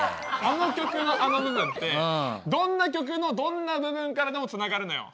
あの曲のあの部分ってどんな曲のどんな部分からでもつながるのよ。